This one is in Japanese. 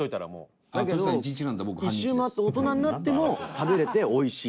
北山：だけど、一周回って大人になっても食べれておいしい。